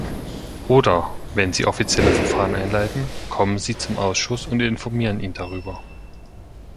Oder, wenn Sie offizielle Verfahren einleiten, kommen Sie zum Ausschuss und informieren ihn darüber.